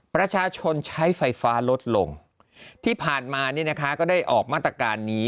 ประชาชนใช้ไฟฟ้าลดลงที่ผ่านมาเนี่ยนะคะก็ได้ออกมาตรการนี้